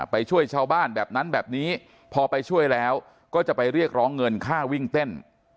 ไปช่วยชาวบ้านแบบนั้นแบบนี้พอไปช่วยแล้วก็จะไปเรียกร้องเงินค่าวิ่งเต้น